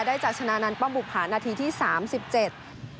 ได้จากชนะนันต์ป้อมบุภานาทีที่สามสิบเจ็ด